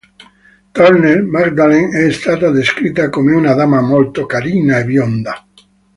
Turner, Magdalen è stata descritta come una dama molto carina e bionda.